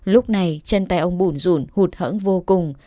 lúc này chân tay ông bùn rùn hụt hỡng vô cùng